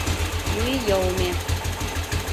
Ну и йылме!